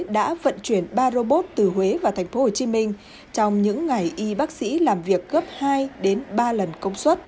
đã vận chuyển ba robot từ huế vào tp hcm trong những ngày y bác sĩ làm việc gấp hai đến ba lần công suất